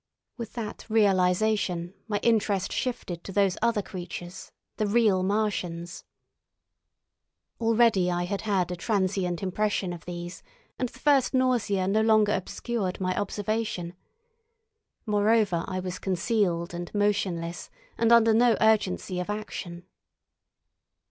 With that realisation my interest shifted to those other creatures, the real Martians. Already I had had a transient impression of these, and the first nausea no longer obscured my observation. Moreover, I was concealed and motionless, and under no urgency of action.